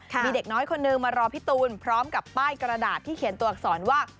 มีเด็กน้อยคนนึงมารอพี่ตูนพร้อมกับป้ายกระดาษที่เขียนตัวอักษรว่า